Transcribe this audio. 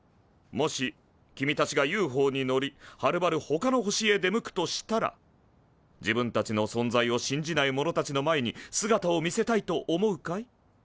もし君たちがＵＦＯに乗りはるばるほかの星へ出向くとしたら自分たちの存在を信じない者たちの前に姿を見せたいと思うかい？